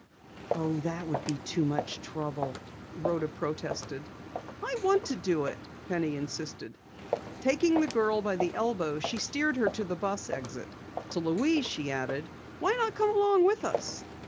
"Oh, that would be too much trouble," Rhoda protested. "I want to do it," Penny insisted. Taking the girl by the elbow, she steered her to the bus exit. To Louise she added: "Why not come along with us?"